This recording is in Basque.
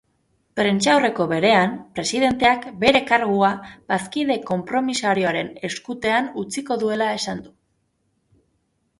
Prentsaurreko berean, presidenteak bere kargua bazkide konpromisarioen eskutean utziko duela esan du.